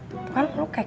bukan lo kayak kecap tau